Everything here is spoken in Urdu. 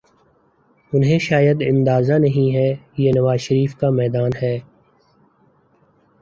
انہیں شاید اندازہ نہیں یہ نواز شریف کا میدان ہے۔